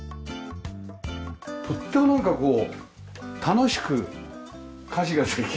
とってもなんかこう楽しく家事ができるっていうね。